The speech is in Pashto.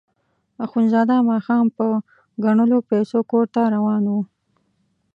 اخندزاده ماښام په ګڼلو پیسو کور ته روان وو.